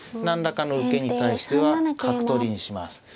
何らかの受けに対しては角取りにします。